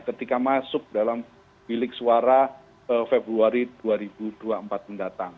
ketika masuk dalam bilik suara februari dua ribu dua puluh empat mendatang